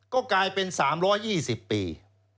ก็กลายเป็น๓๒๐ปี